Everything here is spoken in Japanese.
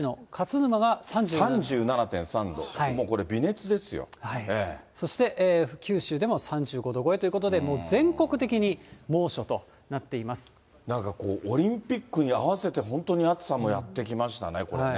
３７．３度、そして九州でも３５度超えということで、なんかこう、オリンピックに合わせて、本当に暑さもやって来ましたね、これね。